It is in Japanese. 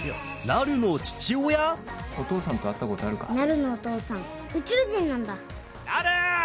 なるのお父さん、宇宙人なんだ。